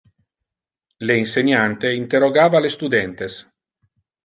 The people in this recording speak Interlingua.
Le inseniante interrogava le studentes.